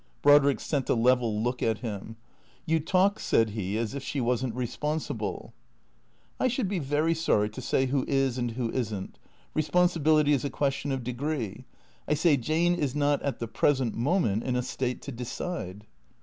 Brodrick sent a level look at him. " You talk," said he, " as if she was n't responsible." " I should be very sorry to say who is and who is n't. Ee sponsibility is a question of degree. I say Jane is not at the present moment in a state to decide."